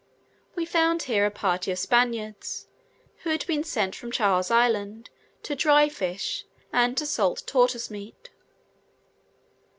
We found here a party of Spaniards, who had been sent from Charles Island to dry fish, and to salt tortoise meat.